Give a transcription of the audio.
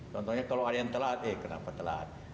contohnya kalau ada yang telat eh kenapa telat